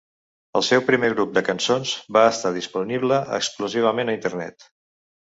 El seu primer grup de cançons va estar disponible exclusivament a Internet.